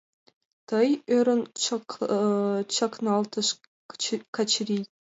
— Тый? — ӧрын чакналтыш Качырий.